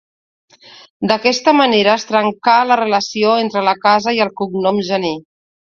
D'aquesta manera es trencà la relació entre la casa i el cognom Gener.